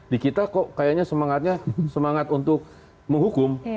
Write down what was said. di kita kok kayaknya semangatnya semangat untuk menghukum